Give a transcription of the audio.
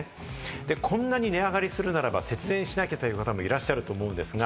こんなに値上がりするならば節電しなきゃという方もいらっしゃると思いますが、